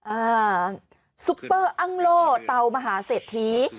อ่าซุปเปอร์อังโล่เตามหาเศรษฐี